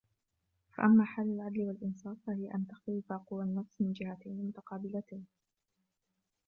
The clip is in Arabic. فَأَمَّا حَالُ الْعَدْلِ وَالْإِنْصَافِ فَهِيَ أَنْ تَخْتَلِفَ قُوَى النَّفْسِ مِنْ جِهَتَيْنِ مُتَقَابِلَتَيْنِ